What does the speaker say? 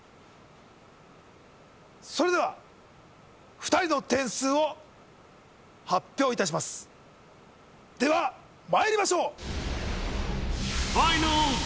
それでは２人の点数を発表いたしますではまいりましょう！